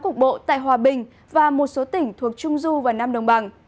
cục bộ tại hòa bình và một số tỉnh thuộc trung du và nam đồng bằng